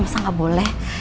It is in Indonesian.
masa gak boleh